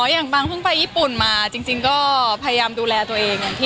อย่างบางเพิ่งไปญี่ปุ่นมาจริงก็พยายามดูแลตัวเองอย่างที่